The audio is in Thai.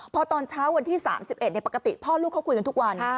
พอตอนเช้าวันที่๓๑ปกติพ่อลูกเขาคุยกันทุกวัน